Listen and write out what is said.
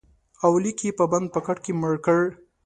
اولیک یې په بند پاکټ کې مړ کړ